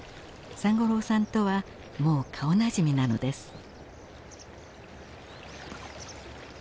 三五郎さんとはもう顔なじみなのです。